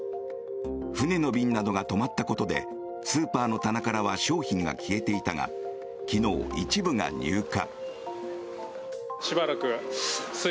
船の便などが止まったことでスーパーの棚からは商品が消えていたが昨日、一部が入荷。